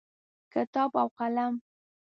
کتاب او قلم